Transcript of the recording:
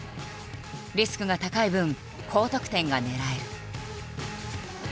リスクが高い分高得点が狙える。